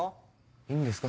いいんですか？